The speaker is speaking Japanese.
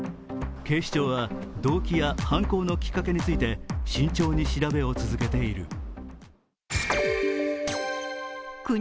警視庁は動機や犯行のきっかけについて慎重に調べを続けている。